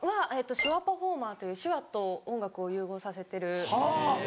手話パフォーマーという手話と音楽を融合させてる。